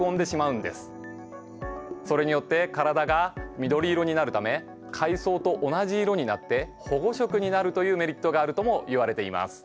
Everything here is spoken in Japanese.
それによって体が緑色になるため海藻と同じ色になって保護色になるというメリットがあるともいわれています。